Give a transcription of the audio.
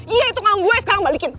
iya itu kalau gue sekarang balikin